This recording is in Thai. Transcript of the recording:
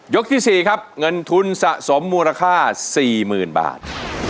ที่๔ครับเงินทุนสะสมมูลค่า๔๐๐๐บาท